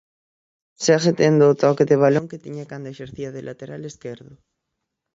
Segue tendo o toque de balón que tiña cando exercía de lateral esquerdo.